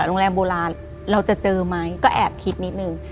โรงแรมโบราณเราจะเจอไหมก็แอบคิดนิดนึง